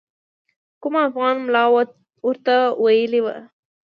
کوم افغان ملا ورته ویلي وو.